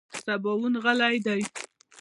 سباوون غلی دی .